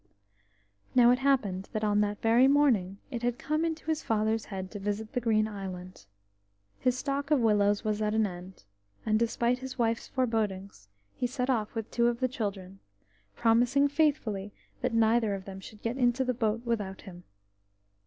Now it happened that on that very morning it had come into his father's head to visit the Green Island. His stock of willows was at an end, and despite his wife's forebodings, he set off with two of the children, promising faithfully that neither of them should get into the boat without him.